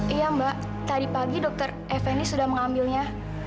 iya mbak tadi pagi dokter effendi sudah mengambilnya